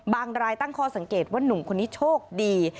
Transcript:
รายตั้งข้อสังเกตว่านุ่มคนนี้โชคดี